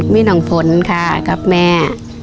มินองฝนค่ะครับแม่